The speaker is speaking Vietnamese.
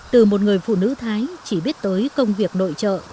từ một người phụ nữ thái chỉ biết tới công việc nội trợ